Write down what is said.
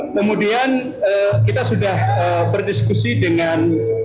kemudian kita sudah berdiskusi dengan